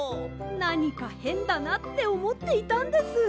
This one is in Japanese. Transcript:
なにかへんだなっておもっていたんです。